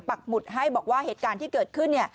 หมุดให้บอกว่าเหตุการณ์ที่เกิดขึ้น